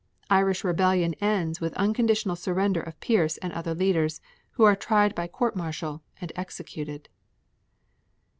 Irish rebellion ends with unconditional surrender of Pearse and other leaders, who are tried by court martial and executed.